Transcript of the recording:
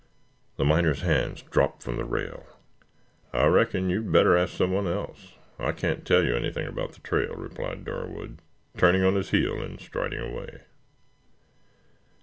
The miner's hands dropped from the rail. "I reckon you would better ask someone else. I can't tell you anything about the trail," replied Darwood, turning on his heel and striding away.